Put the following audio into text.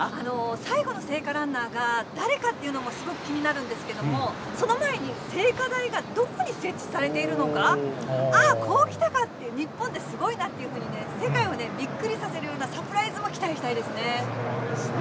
最後の聖火ランナーが誰かっていうのもすごく気になるんですけれども、その前に、聖火台がどこに設置されているのか、ああ、こうきたかという、日本ってすごいなっていうふうにね、世界をびっくりさせるような、サプライズそうですね。